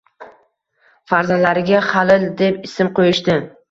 Farzandlariga Xalil deb ism qo‘yishdi